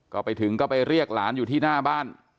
ก็ไปถึงก็ไปเรียกหลานอยู่ที่หน้าบ้าน